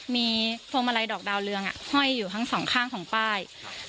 มีพวงมาลัยดอกดาวเรืองห้อยอยู่ทั้งสองข้างของป้าย